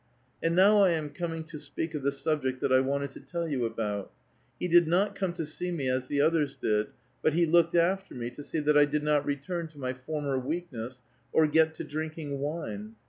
And now I am coming to speak of the subject that I wanted to tell you about. He did not come to see me as the others did, but he looked after me to see that I did not return to my former weakness, or get to drinking wine.